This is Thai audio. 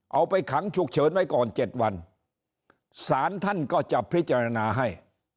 เอาไปขังฉุกเฉินไว้ก่อน๗วันศาลท่านก็จะพิจารณาให้